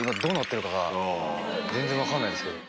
全然分かんないんですけど。